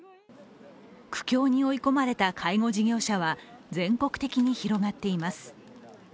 苦境に追い込まれた介護事業者は全国的に広がっています。